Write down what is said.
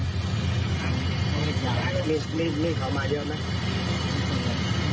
มีเขามาเงียบไหม